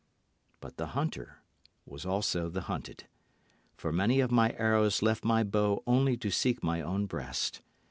But the hunter was also the hunted; For many of my arrows left my bow only to seek my own breast.